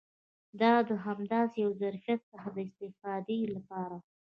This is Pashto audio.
دا د همداسې یو ظرفیت څخه د استفادې لپاره و.